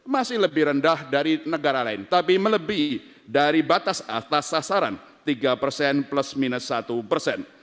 masih lebih rendah dari negara lain tapi melebihi dari batas atas sasaran tiga persen plus minus satu persen